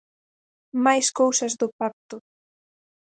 Máis cousas do pacto.